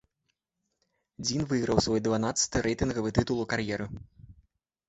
Дзін выйграў свой дванаццаты рэйтынгавы тытул у кар'еры.